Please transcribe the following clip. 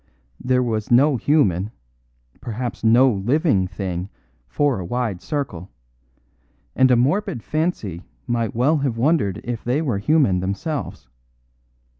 There was no human, perhaps no living, thing for a wide circle; and a morbid fancy might well have wondered if they were human themselves.